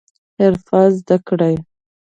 حرفه زده کړئ